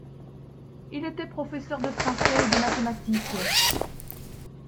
Il était professeur de français et de mathématiques.